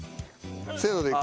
「せーの」でいく？